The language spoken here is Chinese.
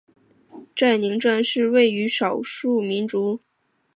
载宁站是位于朝鲜民主主义人民共和国黄海南道载宁郡载宁邑的一个铁路车站。